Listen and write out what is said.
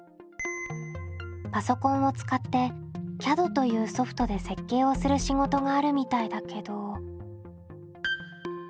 パソコンを使ってＣＡＤというソフトで設計をする仕事があるみたいだけど。